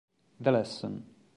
The Lesson